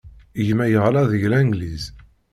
Gma yeɣra deg Langliz.